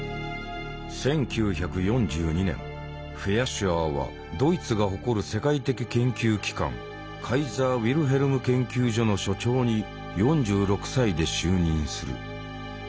シュアーはドイツが誇る世界的研究機関カイザー・ウィルヘルム研究所の所長に４６歳で就任する。